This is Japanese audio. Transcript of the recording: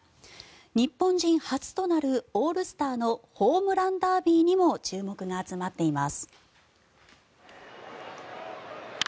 日本人初となるオールスターのホームランダービーにも注目が集まっています。